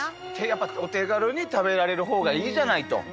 やっぱお手軽に食べられる方がいいじゃないと。